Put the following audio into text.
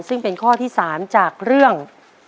ซึ่งเป็นข้อที่๓จากเรื่อง